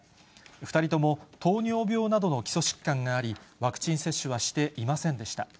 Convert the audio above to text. ２人とも糖尿病などの基礎疾患があり、ワクチン接種はしていませんでした。